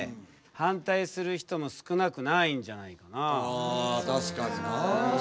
ああ確かになあ。